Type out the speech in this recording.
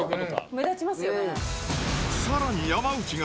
目立ちますよね。